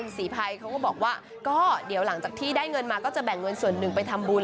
ศรีภัยเขาก็บอกว่าก็เดี๋ยวหลังจากที่ได้เงินมาก็จะแบ่งเงินส่วนหนึ่งไปทำบุญ